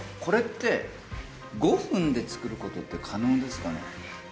これって５分で作ることって可能ですかね？